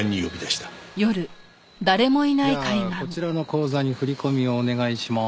じゃあこちらの口座に振り込みをお願いしまーす。